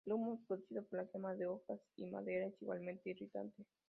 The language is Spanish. El humo producido por la quema de hojas y madera es igualmente irritante.